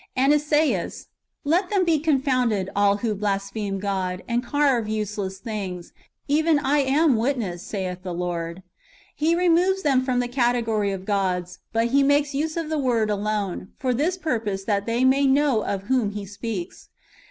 And Esaias :" Let them be confounded, all who blaspheme God, and carve useless things;^ even I am witness, saith God." ^ Here moves them from [the category of] gods, but he makes use of the word alone, for this [purpose], that we may know of whom he speaks.